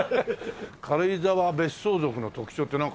軽井沢別荘族の特徴ってなんかあるんですか？